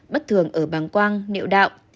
bất thường ở băng quang niệu đạo